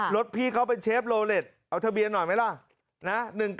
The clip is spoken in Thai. รถพี่เขาเป็นเชฟโลเล็ตเอาทะเบียนหน่อยไหมล่ะ